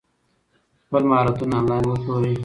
خپل مهارتونه انلاین وپلورئ.